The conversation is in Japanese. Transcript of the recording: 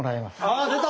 あ出た！